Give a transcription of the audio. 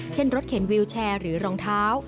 เช่นรถเข็นวิวแชร์หรือรองเท้า